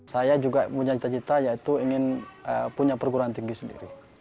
saya juga punya cita cita yaitu ingin punya perguruan tinggi sendiri